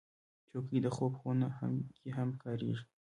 چوکۍ د خوب خونه کې هم کارېږي.